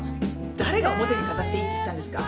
誰が表に飾っていいって言ったんですか？